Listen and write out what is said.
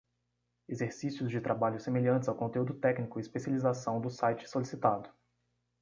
Exercício de trabalhos semelhantes ao conteúdo técnico e especialização do site solicitado.